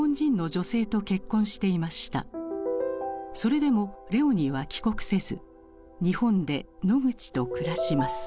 それでもレオニーは帰国せず日本でノグチと暮らします。